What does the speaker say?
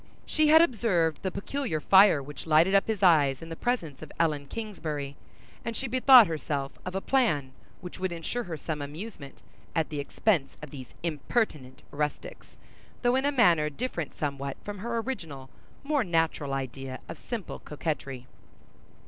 She had observed the peculiar fire which lighted up his eyes in the presence of Ellen Kingsbury, and she bethought her of a plan which would ensure her some amusement at the expense of these impertinent rustics, though in a manner different somewhat from her original more natural idea of simple coquetry.